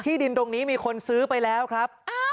ดินตรงนี้มีคนซื้อไปแล้วครับ